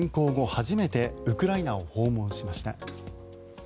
初めてウクライナを訪問しました。